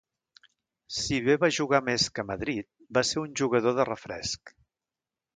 Si bé va jugar més que a Madrid, va ser un jugador de refresc.